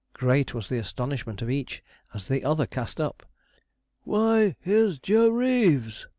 Great was the astonishment of each as the other cast up. 'Why, here's Joe Reeves!'